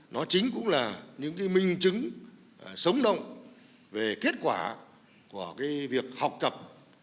nó chính cũng là những cái minh chứng sống động về kết quả của việc học tập